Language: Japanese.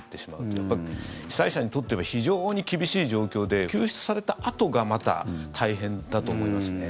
やっぱり被災者にとっては非常に厳しい状況で救出されたあとがまた大変だと思いますね。